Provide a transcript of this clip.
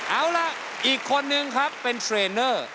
เอาล่ะอีกคนนึงครับเป็นเทรนเนอร์